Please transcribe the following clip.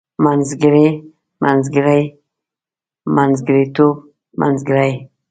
منځګړی منځګړي منځګړيتوب منځګړۍ